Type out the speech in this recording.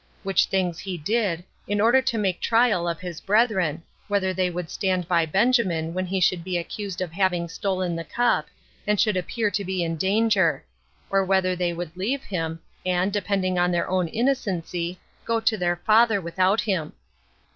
which things he did, in order to make trial of his brethren, whether they would stand by Benjamin when he should be accused of having stolen the cup, and should appear to be in danger; or whether they would leave him, and, depending on their own innocency, go to their father without him.